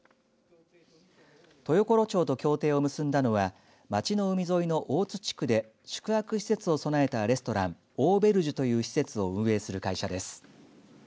豊頃町と協定を結んだのは町の海沿いの大津地区で宿泊施設を備えたレストランオーベルジュという施設を運営する会社です。